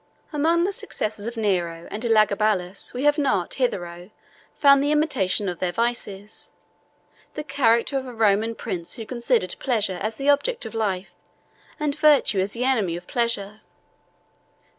Among the successors of Nero and Elagabalus, we have not hitherto found the imitation of their vices, the character of a Roman prince who considered pleasure as the object of life, and virtue as the enemy of pleasure.